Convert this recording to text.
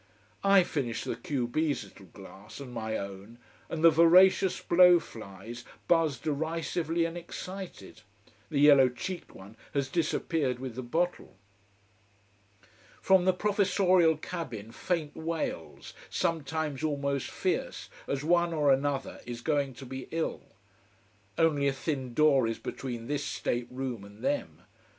I finish the q b's little glass, and my own, and the voracious blow flies buzz derisively and excited. The yellow cheeked one has disappeared with the bottle. From the professorial cabin faint wails, sometimes almost fierce, as one or another is going to be ill. Only a thin door is between this state room and them.